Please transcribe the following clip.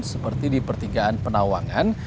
seperti di pertigaan penawangan